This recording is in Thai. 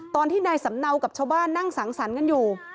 ตอนที่นายสำเนากับชาวบ้านนั่งสังสรรค์กันอยู่